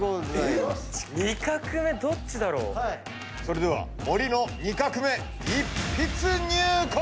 それでは「盛」の２画目。